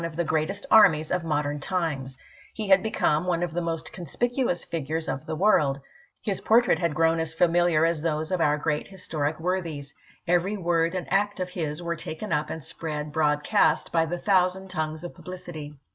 of the greatest armies of modern times; he had become one of the most conspicuous figures of the world ; his portrait had grown as familiar as those of our great historic worthies ; every word and act of his were taken up and spread broadcast by the thousand tongues of publicity.